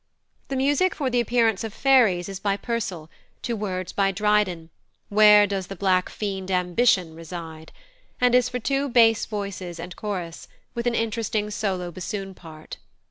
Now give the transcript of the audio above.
The music for the appearance of Fairies is by Purcell, to words by Dryden, "Where does the black fiend ambition reside?", and is for two bass voices and chorus, with an interesting solo bassoon part.